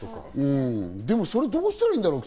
でもそれ、どうしたらいいんだろう？